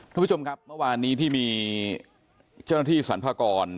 ทุกผู้ชมครับเมื่อวานนี้ที่มีเจ้าหน้าที่สรรพากร